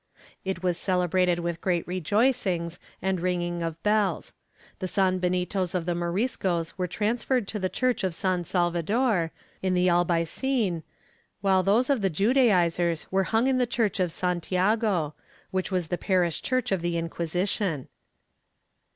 It was celebrated with great rejoicings and ringing of bells; the sanbenitos of the Moriscos were transferred to the church of San Salvador, in the Albaycin, while those of the Judaizers were hung in the church of Santiago, which was the parish church of the Inquisition.